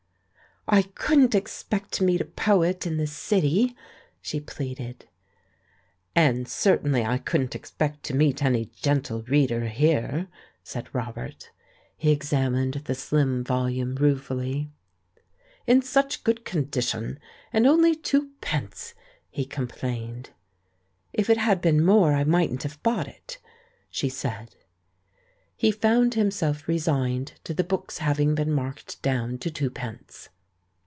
"I couldn't expect to meet a j)oet in the City," she pleaded. "And certainly I couldn't expect to meet any Gentle Reader here," said Robert. He examined the slim volume ruefully. "In such good condition, and only twopence!" he complained. "If it had been more I mightn't have bought it," she said. He found himself resigned to the book's hav ing been marked down to twopence.